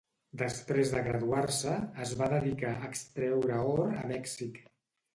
Després de graduar-se, es va dedicar a extreure or a Mèxic.